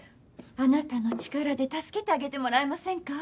あなたの力で助けてあげてもらえませんか？